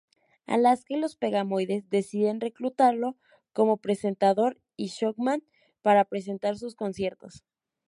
Alaska y los Pegamoides deciden reclutarlo como presentador y showman para presentar sus conciertos.